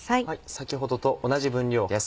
先ほどと同じ分量です。